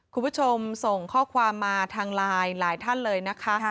คุณผู้ชมส่งข้อความมาทางไลน์หลายท่านเลยนะคะ